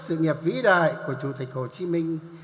sự nghiệp vĩ đại của chủ tịch hồ chí minh